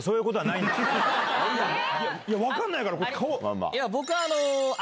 いや分かんないから顔。